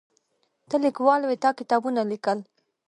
ته لیکوال وې تا کتابونه لیکل.